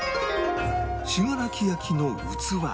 信楽焼の器